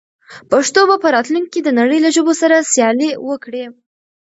پښتو به په راتلونکي کې د نړۍ له ژبو سره سیالي وکړي.